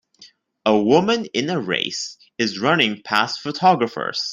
A woman in a race is running past photographers.